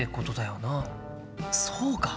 そうか！